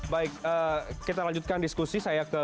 baik kita lanjutkan diskusi saya ke